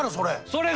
それ。